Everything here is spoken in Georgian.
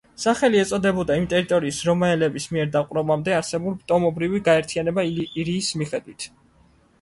სახელი ეწოდებოდა ამ ტერიტორიის რომაელების მიერ დაპყრობამდე არსებული ტომობრივი გაერთიანება ილირიის მიხედვით.